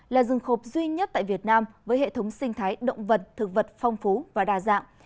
là rừng khộp duy nhất tại việt nam với hệ thống sinh thái động vật thực vật phong phú và đa dạng